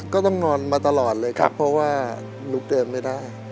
ก็ต้องนอนมาตลอดเลยครับเพราะว่าหนูเดิมไม่ได้